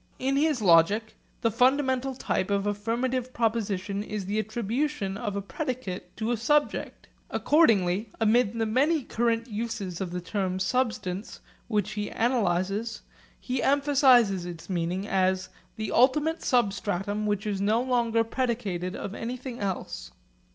In his logic, the fundamental type of affirmative proposition is the attribution of a predicate to a subject. Accordingly, amid the many current uses of the term 'substance' which he analyses, he emphasises its meaning as 'the ultimate substratum which is no longer predicated of anything else.'